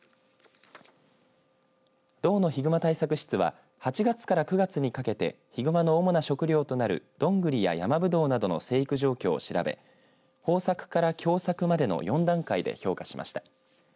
道のヒグマ対策室は８月から９月にかけてヒグマの主な食料となるどんぐりやヤマブドウなどの生育状況を調べ豊作から凶作までの４段階で評価しました。